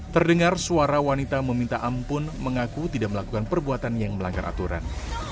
terdengar suara wanita meminta ampun mengaku tidak melakukan perbuatan yang melanggar aturan